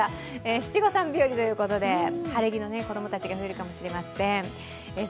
七五三日和ということで晴れ着のお子さんが増えるかもしれません。